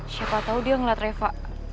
siapa tau dia ngeliat riva